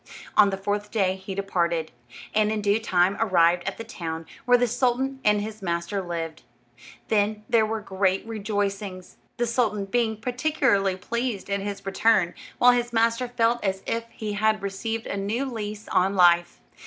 On the fourth day he departed, and in due time arrived at the town where the sultan and his master lived. Then there were great rejoicings; the sultan being particularly pleased at his return, while his master felt as if he had received a new lease of life.